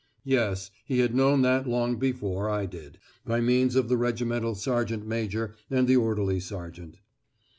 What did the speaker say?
Yes, he had known that long before I did, by means of the regimental sergeant major and the orderly sergeant.